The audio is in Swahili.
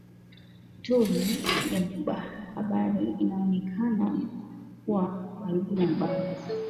Tovuti ya habari inayoonekana kuwa karibu na baraza kuu la usalama wa taifa , iliripoti kuwa serikali imesitisha kwa upande mmoja mazungumzo